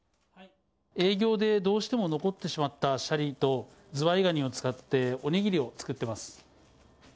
営業でどうしても残ってしまったシャリとズワイガニを使って、お握りを作っています。